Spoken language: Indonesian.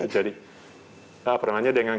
jadi apa namanya dengan